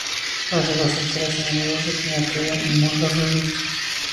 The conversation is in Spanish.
Las hijas solteras a menudo se convertían en monjas budistas.